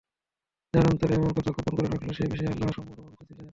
তারা অন্তরে এমন কথা গোপন করে রাখল, যে বিষয়ে আল্লাহ সম্যক অবগত ছিলেন।